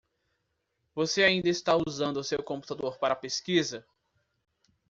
Você ainda está usando seu computador para a pesquisa?